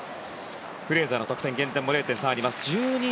フレーザーの得点減点も０．３あります１２．８３３。